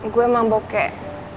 gue emang bokeh